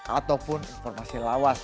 ataupun informasi lawas